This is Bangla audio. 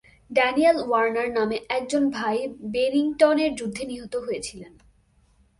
ড্যানিয়েল ওয়ার্নার নামে একজন ভাই বেনিংটনের যুদ্ধে নিহত হয়েছিলেন।